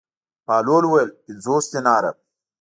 بهلول وویل: پنځوس دیناره.